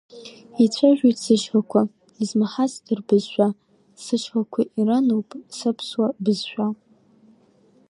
Ицәажәоит сышьхақәа, измаҳацда рбызшәа, сышьхақәа ирануп саԥсуа бызшәа!